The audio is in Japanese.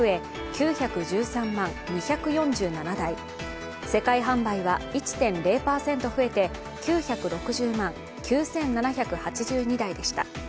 ９１３万２４７台世界販売は１．０％増えて９６０万９７８２台でした。